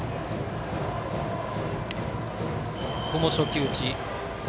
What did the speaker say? ここも初球打ちです。